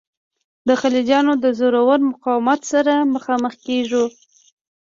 د خلجیانو د زورور مقاومت سره مخامخ کیږو.